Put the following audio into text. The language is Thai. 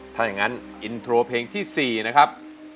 ถ้าอย่างนั้นอินโทรเพลงที่๔นะครับ